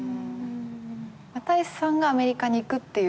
又吉さんがアメリカに行くっていうパターンは？